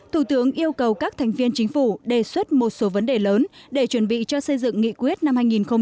thủ tướng yêu cầu các thành viên chính phủ đề xuất một số vấn đề lớn để chuẩn bị cho xây dựng nghị quyết năm hai nghìn hai mươi